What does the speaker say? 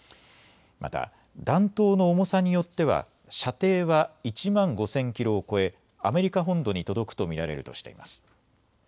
また弾頭の重さによっては射程は１万５０００キロを超えアメリカ本土に届くと見られるとしています。